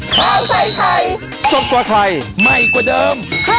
โปรดติดตามตอนต่อไป